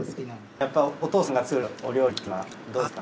やっぱお父さんが作るお料理はどうですか？